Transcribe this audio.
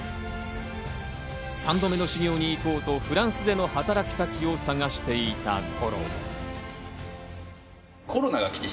３度目の修業に行こうとフランスでの働き先を探していた頃。